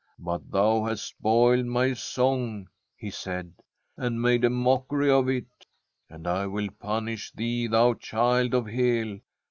' But thou hast spoiled my song/ he said, ' and made a mockery of it ; and I will punish thee, thou child of Hel.